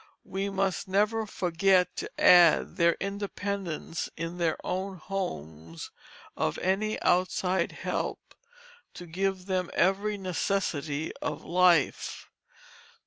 we must never forget to add their independence in their own homes of any outside help to give them every necessity of life.